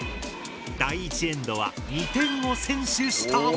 第１エンドは２点を先取した。